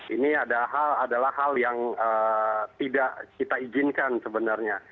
ini adalah hal yang tidak kita izinkan sebenarnya